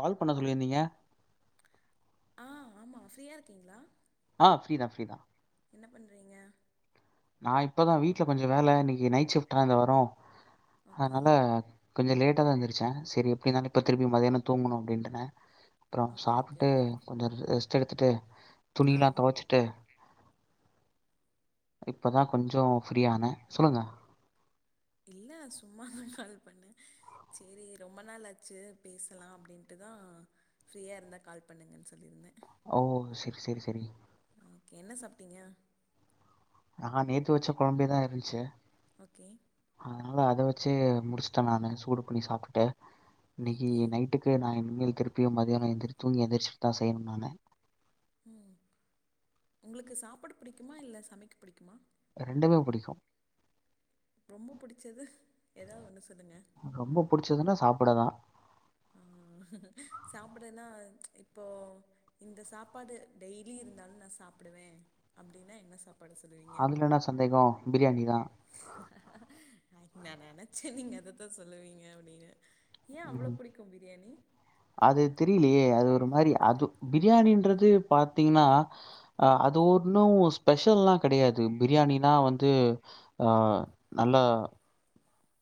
கால் பண்ண சொல்லிருந்தீங்க ஆ ஆமா ஃப்ரீயா இருக்கீங்களா ஆ ஃப்ரீ தான், ஃப்ரீ என்ன பண்ட்றீங்க நா இப்பதா வீட்டுல கொஞ்சோ வேல இன்னிக்கு நைட்டு ஷிப்டா இந்த வரோ ஓகே அதனால கொஞ்ச லேட் ட்டாதா எந்திருச்சா சேரி எப்பிடினாலு இப்ப திருப்பி மதியியானோ தூங்கணு அப்பிடின்றன ப்புறோ ஓகே ஓகே சாப்புட்டு கொஞ்சோ ரெஸ் த் எடுத்துட்டு ஆ துணில்லா தொவச்சிட்டு இப்பதா கொஞ்சோ ஃப்ரீயானே சொல்லுங்க இல்ல சும்மாதா கால் பண்ணே சேரி ரொம்ப நாள் ஆச்சு பேசலா அப்பிடின்ட்டு தா ஃப்ரீயா இருந்தா கால் பண்ணுங்கன்னு சொல்லியிருந்தே ஓ சேரி சேரி சேரி என்ன சாப்ட்டீங்க நா நேத்து வச்ச குழம்பேதா இருந்துச்சி ஓகே அதனால அத வச்சே முடிச்சுட்டே நானு சூடு பண்ணி சாப்பிட்டே இன்னைக்கு ஓகே நைட்டுக்கு நா எ இனிமே திருப்பியு மதியானோ எந்திரி தூங்கி எந்திரிச்சுட்டு தா செய்யணு நானு உங்களுக்கு சாப்பிட பிடிக் குமா இல்ல சமைக்க பிடிக்குமா ரெண்டுமே பிடிக்கு ரொம்ப புடிச்சது ஏதாவது ஒன்னு சொல்லுங்க ரொம்ப புடிச்சதுனா சாப்பிட தா ஆ சாப்பிடதா இப்போ இந்த சாப்பாடு டெய்லி இருந்தாலு நா சாப்பிடுவே அப்டின்னா என்ன சாப் அதுல என்ன சந்தேகோ பிரியாணி தா நா நெனைச் சே நீங்க அததா சொல்லுவீங்க அப்டின்னு ஏன் அவ்ளோ புடிக்கும் பிரியாணி அது தெரியலையே அது ஒரு மாரி அது பிரியாணன்றது பாத்தீங்கன்னா ஆ அது ஒன்னு ஸ்பெஷல்லா கெடையாது பிரியாணினா வந்து ஆ நல்லா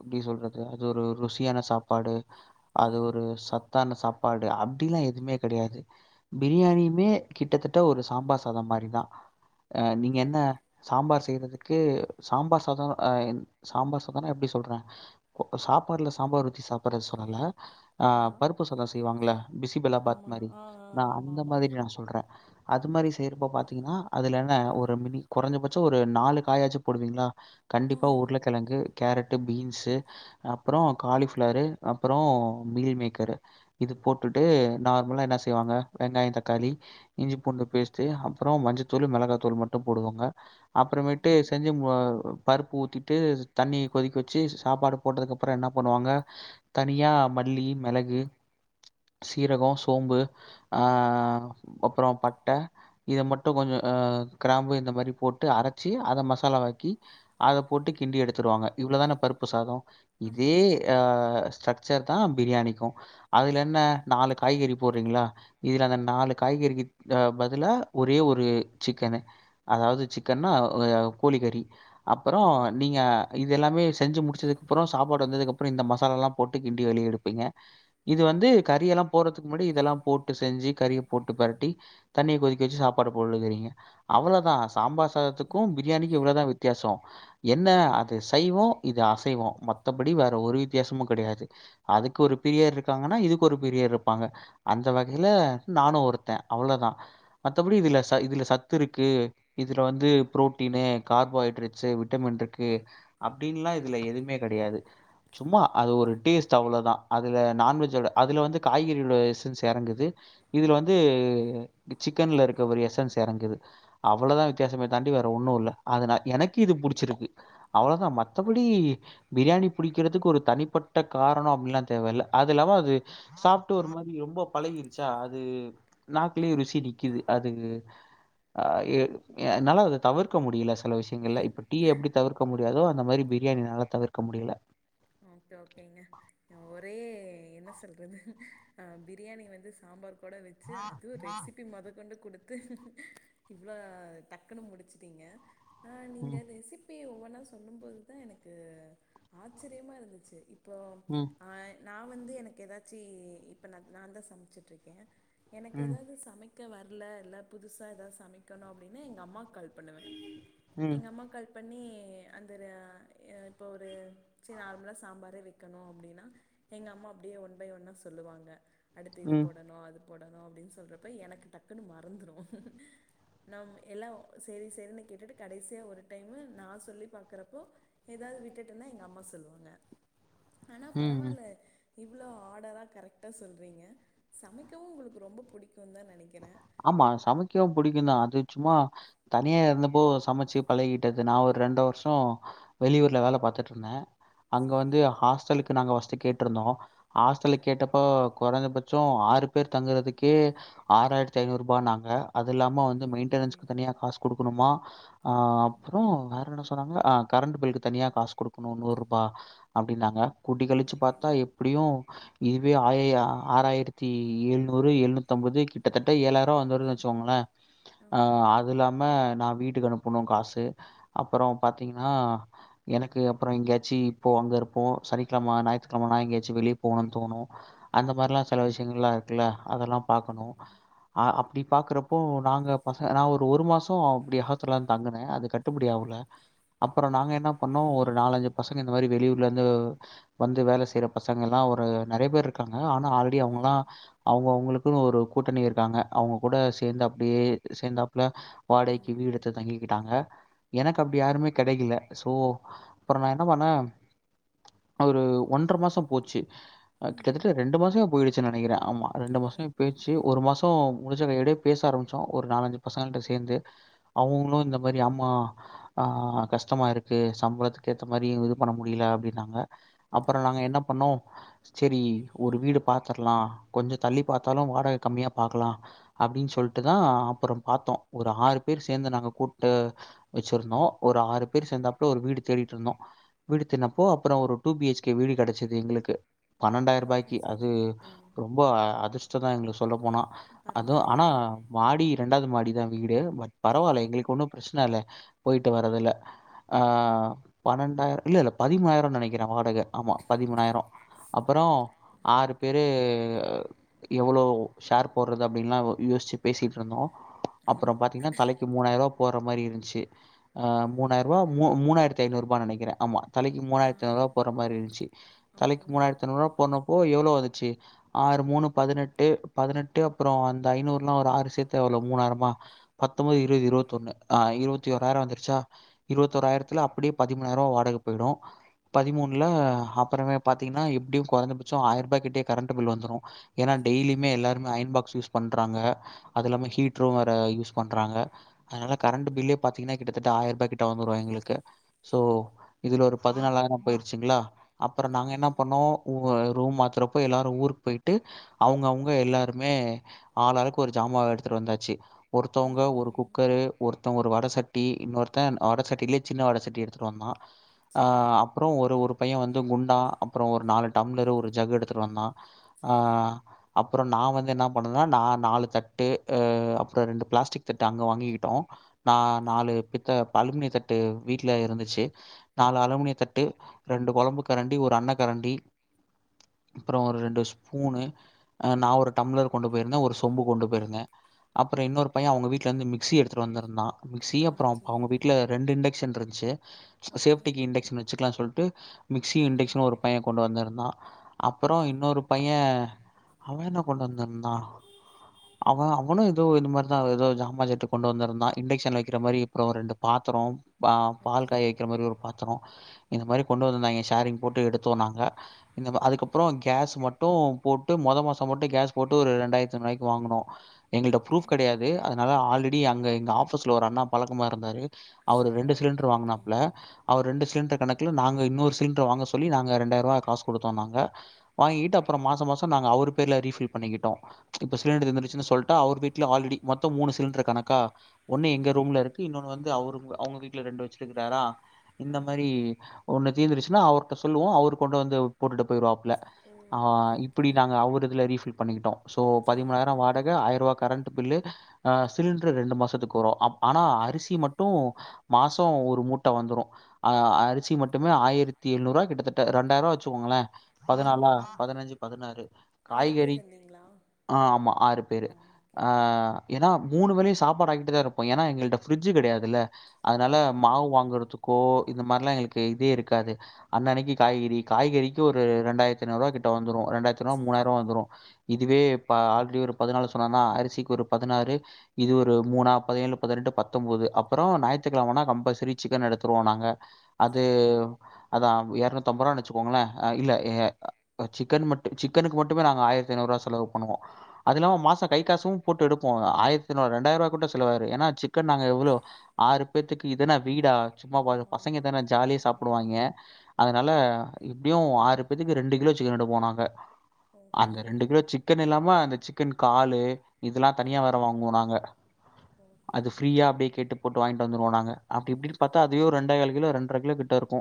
எப்டி சொல்றது அது ஒரு ருசியான சாப்பாடு ஆ அது ஒரு சத்தான சாப் பாடு அப்டிலா எதுமே கெடையாது ஓகே பிரியாணியுமே கிட்டத்தட் ட ஒரு சாம்பார் சாதோ மாரிதா ஆ நீங்க என் என்ன சாம்பார் செய்றதுக் க்கே சாம்பார் சாதோ ஆ சாம்பார் சாதோனா எப்டி சொல்றே ஒ சாப்பாடுல சாம்பார் ஊத்தி சாப்பிடுற சொல்லல ஆ ஆமா பருப்பு சாதோ செய்வாங்கள்ள பிசிபலா பாத் ஆமா மாரி ஆ ஆ நா ஆமா அந்த ஆமா மாரி நா சொல்றே அது மாரி செய்யறப்ப பாத்தீங்கன்னா அதுல என்ன ஒரு மினி கொறைஞ்சபட்சோ ஒரு நாலு காயாச்சு போடுவீங்களா கண்டிப்பா ம் உருல கிழங்கு கேரட் ட்டு பீன்ஸு அப்புறோ காலிஃப்ளரு அப்புறோ மீல் மேக்கரு இது போட்டுட்டு நார்மலா என்ன செய்வாங்க வெங்காயோ தக்காளி இஞ்சி பூண்டு பேஸ்டு அப்றோ மஞ்சத்தூள் மெளகா தூள் மட்டு போடுவோங்க ஆமா அப்புறமேட்டு செஞ்சு பருப்பு ஊத்திட்டு தண்ணி கொதிக்க வச்சு சாப்பாடு போட்டதுக்கப்புறோ என்ன பண்ணுவாங்க தனியா மல்லி மெளகு சீரகோ சோம்பு ஆ அப்பறோ பட்ட இத மட்டு கொஞ்ச ஆ கிராம்பு இந்த மாரி போட்டு அரச்சு அத மசாலா வாக்கி அத போட்டுக் கிண்டி எடுத்துருவாங்க இவ்ளோதான பருப்பு சாதம் ஆமா இதே ஆ சக் சர் தான் பிரியாணிக்கும் அதுல என்ன நாலு காய்கறி போறீங்களா இதுல அந்த நாலு காய்கறிக்கு பதிலா ஒரே ஒரு சிக்கனு அதாவது சிக்கன்னா கோழிக்கறி அப்பறம் ம் நீங்க எல்லாமே செஞ்சி முடிச்சதுக்குப்புறம் சாப்பாடு வெந்ததுக் அப்புறம் இந்த மசாலல்லாம் போட்டு கிண்டி வெளிய எடுப்பீங்க இது வந்து ஆமா கறி எல்லாம் போறதுக்கு முன்னாடி இதெல்லாம் போட்டு செஞ்சி கறிய போட்டு பெரட்டி தண்ணிய கொதிக்க வச்சி சாப்பாடு போட்டுகிறிங்க அவ்ளோதான் சாம்பார் சாதத்துக்கும் பிரியாணிக்கும் இவ்ளோ தான் வித்தியாசம் என்ன அ து சைவம் இது அசைவம் மத்தபடி வேற ஒரு வித்தியாசமும் கெடையாது அதுக்கு ஒரு பிரியர் இருக்காங்கன்னா இதுக்கு ஒரு பிரியர் இருப்பாங்க அந்த வகையில நானும் ஒருத்தேன் அவ்ளோதான் மத்தபடி இதுல ச இதுல சத்து இருக்கு இதுல வந்து புரோட்டீனு கார்போஹைட்ரேட்ஸு விட்டமின் இருக்கு அப்டின்னுல்லா இதுல எதுவுமே கெடையாது சும்மா அது ஒரு டேஸ்ட் அவ்ளோதான் அதுல நான்வெஜ்ஜோட அதுல வந்து காய்கறியோட எசன்ஸ் எறங்குது இதுல வந்து சிக்கன்ல இருக்க ஒரு எசன்ஸ் எறங்குது அவ்ளோதான் வித்தியாசமே தாண்டி வேற ஒண்ணும் இல்ல அதுன எனக்கு இது புடிச்சிருக்கு அவ்ளோதான் மத்தபடி பிரியாணி புடிக்கிறதுக்கு ஒரு தனிப்பட்ட காரணம் அப்டின்ல்லாம் தேவ இல்ல அதுயில்லாம அது சாப்ட்டு ஒரு மாரி ரொம்ப பழகிடுச்சா அது நாக்குலயும் ருசி நிக்குது அது ஆ எ என்னால அத தவிர்க்க முடியில சில விஷியங்கள இப்ப டீ எப்படி தவிர்க தோ அந்த மாரி பிரியாணி என்னால தவிர்க்க முடியில ஓகே ஓகேங்க ஒரே என்ன சொல்றது ஆ பிரியாணி வந்து சாம்பார் கூட வச்சி அதுவும் ரெசிப்பி மொத கொண்டு குடுத்து இவ்வளோ டக்குன்னு முடிச்சிட்டீங்க ஆ நீங்க ம், ரெசிப்பிய ஒ ன்னா சொல்லும் போது தான் எனக்கு ஆச் சிரியமா இருந்துச்சி இப் போ ம். ஆ நான் வந்து எனக்கு எதாச்சி தி இப்ப நான் நான் தான் சமைச்சிட்டு இருக்கேன் எனக்கு ம், எதாவது சமைக் க வரல இல்ல புதுசா எதாவது சமைக்கணும் அப்டின்னா எங்க அம்மாக் கால் பண்ணுவன் ம், எங்க அம்மாக் கால் பண்ணி ஏ அந்தரா ஆ இப்போ ஒரு செரி நார்மலா சாம்பாரே வைக்கணும் அப்டின்னா எங்க அம்மா அப்டே ஒன் பை ஒன்னா சொல்லுவாங்க அடுத்து இது ம், போடணும் அது போடணும் அப்டின் சொல்றப்ப எனக்கு டக்குனு மறந்துரு நா எல்லா சேரி செறினு கேட்டுட்டு கடைசியா ஒரு டைமு நா சொல்லி பாக்கறப்போ எதாவது விட்டுட்டனா எங்க அம்மா சொ சொல்லுவாங்க ஆனா ம். பரவால்ல இவ்ளோ ஆடரா கரெக்டா சொல்றீங்க சமைக்கவு உங்களுக்கு ரொம்ப புடிக்கு ஆமா சமைக்கவு புடிக்குந்தா அது சும்மா தனியா இருந்தப்போ சமச்சு பழகிட்டது நா ஒரு ரெண்ட வருஷோ வெளியூர்ல வேல பாத்துட் இருந்த அங்க சரி வந்து ஹாஸ்டலுக்கு நாங்க வஸ் வெச்சு கேட்ருந்தோ ஹாஸ்ட்டல்ல கேட்டப்போ கொறஞ்ச பட்சோ ஆறு பேர் தங்குறதுக்கே ஆறாயிரத்து ஐநூருபானாங்க அது இல்லாம வந்து ஐயோ மெயின்டெனஸ்க்கு ம் தனியா காசு குடுக்கணுமா அ ம் அப்புறோ வேற என்ன சொன்னாங்க அ கரண்ட்டு பில்லுக்கு தனியா காசு குடுக்கணு நூரூபா அப்டின்னாங்க கூட்டி கழுச்சு ஓகே பாத்தா எப்டியு இதுவே ஆய ஆறாயிரத்தி ஏழ் நூறு ஏழ்நூத்து அம்பது கிட் கிட்டத்தட்ட ஏழாயிரோ வந்துருது வெச்சுகோங்கள ஆ ஆ அ ஆமாம் அது இல்லாம நா வீட்டுக்கு அனுப் பணு காசு அப்புறோ பாத்தீங்கன்னா எனக்கு அப்புறோ எங்கயாச்சு இப்போ அங்க இருப்போ சனிக்கெழம ஞாயித்துக்கெழமனா எங்கயாச்சு வெளிய போணுன் தோணு அந்த மாரிலா செல விஷ்யங்கள்லா இருக்குல்ல அதெல்லா ம் பாக்கணு ம் அ அப்டி பாக்குறப்போ நாங்க பச நா ஒரு ஒரு மாசோ அப்டி ஹாஸ்ட்டல்ல தங்குன அது கட்டுப்படி ஆவுல அப்புறோ நாங்க என்ன பண்ணோ ஒரு நாலஞ்சு பசங்க இந்த மாரி வெளியூர்ல இருந்து வந்து வேல செய்ற பசங்க எல்லா ஒரு நறையா பேர் இருக்காங்க ங்க ஆனா ஆல்ரெடி அவங்கல்லா அவங்க அவங்களுக் குனு ஒரு கூட்டணி இருக்காங்க அவங்க கூட சேந்து அப்டியே சேந்தாப்ல ஓகே வாடகைக்கு வீடு எடுத்து தங்கிக்கிட்டாங்க எனக்கு அப்டி யாருமே கெடைக்கல சோ அப்புறோ நா என்ன பண்ண ஒரு ஒன்ற மாசோ போச்சு கிட்டத்தட்ட ரெண்டு மாசமே போயிடுச் சு நெனைக்கிற ஆமா ரெண்டு மாசமே போயிருச் ஒரு மாசோ முடுஞ்ச கையோடயே பேச ஆம்பிச்சோ ஒரு நாலஞ்சு பசங்கள்ட சேந்து அவங்களு இந்த மாரி ஆம்மா ஆ கஷ்டமா இருக்கு சம்பளத்துக்கு ஏத்த மாரி இது பண்ண முடில அப்டின்னாங்க அப்புறோ நாங்க ஓகே என்ன பண்ணோ சேரி ஒரு வீடு பாத்தர்லா கொஞ்சோ தள்ளி பாத்தாலு வார் கம்மியா பாக்கலா அப்டின் சொல்ட்டுதா அப்புறோம் பாத்தோ ஒரு ஆறு பேர் சேந்து நாங்க கூட்டு வெச்சுருந்தோ ஒரு ஆறு பேர் ம் சேந்தாப்ல ஒரு வீடு தேடிட்டு இருந்தோ வீடு தேனப்போ அப்புறோ ஒரு டூ பிஹெச்கே வீடு கெடைச்சுது எங்களுக்கு ஓகே பன்னெண்டாயிரூபாய்க்கு அது சரிங்க ஆ ரொம்ப அதுஸ் ச்சதா எங்களுக்ஸ் போனா அதுவு ஆனா பரவாயில்லையே மாடி ரெண்டாவது மாடி தான் வீடு பட் ஓ பரவால்ல எங்களுக்கு ஒண்ணு பிரச்சன இல்ல போயிட்டு வரறதுல ஆ பன்னெண்டாயிரோ இல்லல்ல பதிமுணாயிரோ நனைக்கிறே வாடக ஆமா பதிமூணாயிரோ அப்பறோ ஆறு பேரு எவ்வளோ ஷேர் போட்ரது அப்டின்னுலா யோசிச்சு பேசிட்டு இருந்தோ ஆ அப்பறோ பாத்தீங்கன்னா தலைக்கு மூணாயிரோ போற மாதிரி இருந்த்ச்சு ஆ மூணாயிர ரூபா மூணாயிரத்தி ஐநூறு ரூபான் நனைக்கிறே ஆமா தலைக்கு ஆ மூணாயிரத்தி ஐநூறு ரூபா போட்ற மாரி இருந்துச்சு தலைக்கு ஓகேங்க மூணாயிரத்தி ஐண்ணூறு போண்ணு ஓ எவ்ளோ வந்துச்சு ஆறு மூணு பதினெட்டு பதினெட்டு அப்றோ அந்த ஐநூறுல ஒரு ஆறு சேர்த்தா எவ்ளோ மூணாயிரமா பத்தொம்பது இருபது இருபத்தி ஒண்ணு ஆ இருபத்தி ஓராயிரோ வந்துருச்சா ம் இருவத்தோராயிரத்துல அப்டியே பதிமுணாயிரோ வாடக போயிடு பதிமூணுல அப்புறமே பாத்தீங்கன்னா எப்டியு கொறஞ்சபச்சோ ஆயிர் ரூபாக்கிட்டயே கரண்ட் பில் வந்துரு ஏன்னா டெய்லி சரிங்க அயன் பாக்ஸ் யூஸ் பண்றாங்க அது இல்லாம ம் ஹீட்ரு வேர யூஸ் பண்றாங்க அதனால ஓகே கரண்ட் பில்லே பாத்திங்கன்னா கிட்டத்தட்ட ஆயிர்ருபா கிட் ட்ட வந்துருவ எங்களுக்கு சோ இதுல ஒரு பதினாலாயிரோ போயிருச்சுங்களா அப்புறோ நாங்க என்ன ஆமாம் பண்ணோ உ ஆ ரூம் மாத்தறப்ப எல்லாரு ஊருக்கு போயிட்டு அவுங்க அவுங் ப்ப எல்லாருமே ஆளாளுக்கு ஒரு ஜாமாவா எடுத்துட்டு வந்தாச்சு ஒருத்தவங்க ம் ஒரு ம் குக்கரு ஒரு த்தவ ஒரு வட சட்டி இன்னொருத்த வட சட்டிலே சின்ன வடசட்டி எடுத்துட்டு வந்தா அ சரி அப்பறோ ஒரு ஒரு பையே வந் குண்டா அப்புறோ ஒரு நாலு டம்ளர் ஒரு ஜக்கு எடுத்துட்டு வந்தா ஆ சரி அப்பறோ நா வந்து என்ன பண்னன்னா நா நாலு தட்டு அ அப்புறோ ரெண்டு பிளாஸ்டிக் தட்டு அங்க வாங்கிக்கிட்டோ நா ஓகே நாலு பித்த அழுமினி தட் டு வீட்டுல இருந்துச்சு நாலு அலுமினிய தட்டு ரெண்டு கொழம்பு கரண்டி ஒரு அன்ன கரண்டி அப்பறோ ஒரு ரெண்டு ஸ்பூனு ஆ நா ஒரு டம்ளர் கொண்டு போயிருந்தே ஒரு சொம்பு கொண்டு போயிருந்தே அப்பறோ இன்னொரு பையே அவங்க வீட்லேருந்து மிக்ஸி எடுத்துட்டு வந்துருந்தா மிக்ஸியு ஆ அப்றோ அவங்க சரிங்க வீட்ல ரெண்டு இண்டக்ஷன் இருந் சே ஓகே சேஃப்டிக்கு இண்டக்ஷன் வச்சுக்கலாம்னு சொல்லிட்டு மிக்சி ஆ இண்டக்ஷன் ஒரு பையே கொண்டு வந்திருந்தான் அப்பறோ ஓகே இன்னொரு பையே அவ என்ன கொண்டு வந்திருந்தா அவ அவனு ஏதோ இந்த மாரிதா ஏதோ ஜாமா செட்டு கொண்டு வந்திருந்தா இண்டக்ஷன்ல வைக்கிற மாதிரி அப்பறோ ரெண்டு பாத்ரோ பா பால் ஓகே காய வைக்கிற மாரி ஒரு பாத்தரோ இந்த மாரி கொண்டு வந்திருந்தாங்க ஷேரிங் போட்டு எடுத்தோ னாங்க இந்த அதுக்கப்பறோ கேஸ் மட்டு போட்டு மொத மாசோ அப்ப மட்டு கேஸ் போட்டு ஒரு ரெண்டாயிரத்து ஐநூறுவாய்கு வாங்குனே எங்கள்ட ஓகே ப்ரூப் கெடையாது அதனால ஆல்ரெடி அங்க எங்க ஆபிஸ்ல ஒரு அண்ணா பழக்கமா இருந்தாரு அவர் ஓ ரெண்டு சிலிண்டர் ஓகே ஓகே வாங்கனாப்ல அவர் ரெண்டு சிலிண்டர் கணக்குல நாங்க இன்னொரு சிலிண்டர் வாங்க சொல்லி நாங்க ரெண்டாயிரவா காசு கொடுத்தோம் நாங்க வாங்கிட்டு அப்புற மாச மாசம் நாங்க அவரு பேர்ல ரீஃபில் பண்ணிக்கிட்டோ இப்ப சிலிண்டர் தீந்துருச்சுன்ன சொல்ட்டா அவர் வீட்ல ஆல்ரெடி மொத்த மூணு சிலிண்டர் கணக்கா ஒண்ணு எங்க ஆமாம் ரூம்ல இருக்கு இன்னொன்னு வந்து அவரு அவுங்க வீட்ல ரெண்டு வச்சிருக்கறார இந்த ஆ மாரி ஒன்னு தீர்ந்துச்சுனா அவர்ட்ட சொல்லுவோ அவரு கொண்டு வந்து போட்டுட்டு போய்ருவாப்ல லா ஓ ஆ ஓகே இப்டி ஓகே நாங்க அவரூ ஃபில் பண்ணிக்கிட்டோ சோ பதிமூணாயிர சேரிங்க வாடக ஆயிர ரூபா கரண்ட் பில்லு ஆ சிலிண்டர் ரெண்டு மாசத்துக்கு வரு அவ் ஆனா அரிசி மட்டு மாச ஒரு மூட்ட வந்துரு ஆ அரிசி மட்டுமே ஆயிரத்தி எழுநூறு ரூவா கிட்டத்தட்ட ரெண்டாயிர ரூவா வச்சுக்கோங்களேன் பதினாலா ம் பதினஞ்சு பதினாறு ஆறு பேர் காய்கறி இருந்தீங்களா ஆ ஆமா ஆறு பேரு ஆ ஓகே ஆ ஓகே ஏனாப் மூணு வேளயு சாப்பாடு ஆகிட்டுதா இருப்போ ஏனா எங்கள்ட்ட பிரிட்ஜ் கெடையாதுல்ல ஓ அதனால ஆமா மாவு ஆமா வாங்கறதுக்கோ ம் இந்த ம் மாரில்லா எங்களுக்கு இதே இருக்காது அன்ன அன்னைக்கே காய்கறி காய்கறிக்கு ஒரு ரெண்டாயிரத்த ஐநூறுூவ கிட்ட வந்துரு ரெண்டாயித் ஐநூறு சேரிங்க மூணாயிர இதுவே. பா இ ஆல்ரெடி ஒரு பதினாலு சொன்னனா அரிசிக்கு ஒரு பதினாறு இது ஒரு மூணா பதினேழு பதினெட்டு பத்தொன்பது அப்புற ஞாத்துக்கிழமைனா கம்பல்சரி சிக்கன் எடுத்துருவோ நாங்க அது சேரி அதா. எட் முந்நூத்தம்பது ரூவா வச்சுக்கோங்களேன் இல்ல சிக்கன் மட்டு சிக்கனுக்கு மட்டு மட்டுமே நாங்க ஆயிரத் ஐநூறுவா செலவு பண்ணுவோ அதுல்லாம மாச கைாசு போட்டு எடுப்போ ஆயிரத் ஐநூறு ரெண்டாயிரவா கூட செலவாயிரு ஏனா சிக்கன் நாங்க ஒரு ஆறு பேர்த்துக்கு இதென்ன வீடா சும்மா ஆமா பசங்க ஆமா தானே ஜாலிய ம் சாப்டுவாங்கே அதனால எப்டியு ஆறு பேத்துக்கு ரெண்டு கிலோ சிக்கன்னு எடுப்போ நாங்க அந்த ஓகேங்க ரெண்டு கிலோ சிக்கன்னு இல்லாம அந்த சி க்கன் காலு இதெல்லா தனியா வேற ம் வாங்குவோ நாங்க அது ஓகேங்க ஃப்ரீயா அப்டியே கேட்டு போட்டு வாங்கிட்டு வந்துருவோ நாங்க அப்டி இப்டின்னு பாத்தா அதுவே ரெண்டே கால் கிலோ ரெண்டரை கிலோ கிட்ட இருக்கு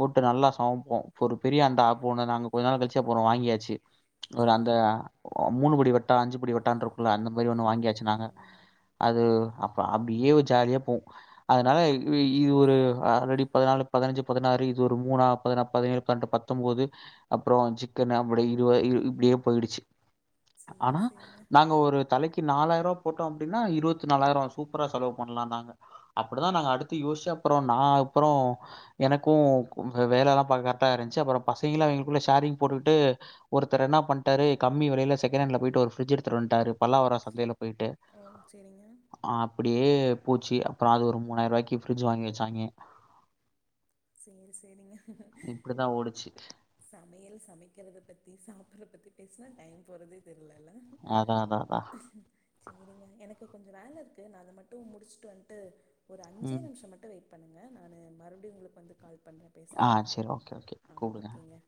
போட்டு நல்லா சமப்போ இப்போ ஒரு பெரிய அண்டா அப்போணு நாங்க கொஞ்ச நாள் கழிச்சு அப்புற வாங்கியாச்சு ஒரு அந்த சேரி மூணுபடி வ ட்ட அஞ்சுபடி வட்டான் இருக் அந்த மாரி ஆமா ஒண்ணு ஆமா வாங்கியாச்சு நாங்க ம் ம் அது அப்டியே ஒரு ஜாலியா போவ் அதனால இது ஒரு ஆல்ரெடி பதினாலு பதுனஞ்சு பதினாறு இது ஒரு மூணா பதினாறு பதினேழு பதினெட்டு பத்தொம்பது அப்புறோ சிக்கனு அப்டியே இருவ இரு இப்டியே போயிடுச்சு சேரி ஆனா சேரிங்க நாங்க ஒரு தலைக்கு நாலாயிரோ போட்டோ அப்டின்னா இருவத்து நாலாயிரோ சூப்பரா செலவு பண்லா நாங்க அப்புடித்தா நாங்க அடுத்து யோசுச்சு அப்புறோ நா அப்புறோ எனக்கு வேல எல்லா பாக்க கரட்டா இருஞ்சு அப்புறோ பசிங்களா அவங்களுக்குள்ள ஷேரிங் போட்டுக்கிட்டு ஒருத்தர் என்ன பன்ட்டாரு கம்மி வெளைல செகண்டுல போயிட்டு ஒரு பிரிட்ஜு எடுத்துட்டு வன்ட்டாரு பல்லாவரோ சந்தையில போயிட்டு ஓ சேரிங்க ஆ அப்டியே யே போச்சு அப்புறோ அது ஒரு மூணாயிரூவாயிக்கு பிரிட்ஜு வாங்கி வெச்சாங்கே சேரி சேரிங்க ஓடுச்சு. சமையல் சமைக்குறத பத்தி சாப்புறத பத்தி பேசுனா டைம் போறதே தெரி அதா அதா அதா கு கொஞ்சோ வேல இருக்கு நா அத மட்டு முடுச்சுட்டு வன்ட்டு ஒரு அஞ்சே ம் நிம்ஷோ மட்டு வெயிட் பண்ணுங்க நா மறுபடியு உங்களுக்கு வந்து கால் பண்றே ஆ பேசலா சேரி ஓகே ஓகே ஆ கூப்புடுங்க ஓகேங்க